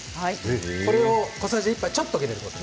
これを小さじ１杯、ちょっとだけ。